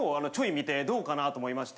見てどうかなと思いまして。